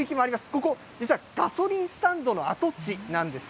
ここ、実はガソリンスタンドの跡地なんです。